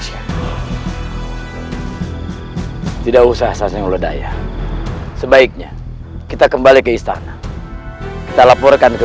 hai tidak usah sasnya oleh daya sebaiknya kita kembali ke istana kita laporkan ke